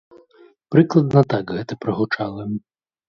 Прыкладна так гэта прагучала.